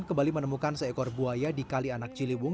kembali menemukan seekor buaya di kali anak ciliwung